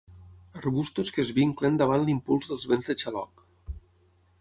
Arbustos que es vinclen davant l'impuls dels vents de xaloc.